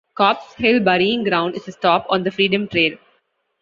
Copp's Hill Burying Ground is a stop on the Freedom Trail.